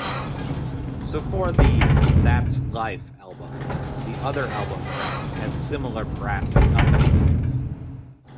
So for the "That's Life" album, the other album tracks had similar brass accompaniments.